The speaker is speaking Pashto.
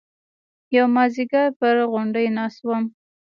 يو مازديگر پر غونډۍ ناست وم.